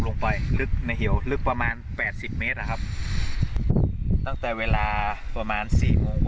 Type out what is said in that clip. ลงไปลึกในเหี่ยวลึกประมาณ๘๐เมตรครับตั้งแต่เวลาประมาณ๔โมง